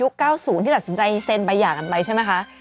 ยุคเก้าศูนย์ที่สัดจนใจจะเซนบาย่ากันไปใช่ไหมคะ